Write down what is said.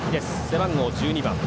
背番号１２番。